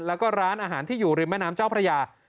แล้วก็ร้านอาหารที่อยู่ริมแม่น้ำเจ้าพระยา